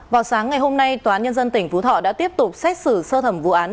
vào sáng ngày hôm nay tòa án nhân dân tỉnh phú thọ đã tiếp tục xét xử sơ thẩm vụ án